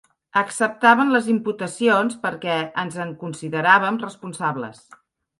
Acceptàvem les imputacions perquè ens en consideràvem responsables.